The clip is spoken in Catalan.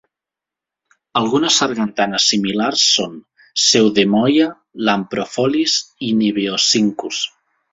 Algunes sargantanes similars són "Pseudemoia", "Lampropholis" i "Niveoscincus".